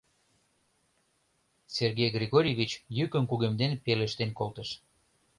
— Сергей Григорьевич йӱкым кугемден пелештен колтыш.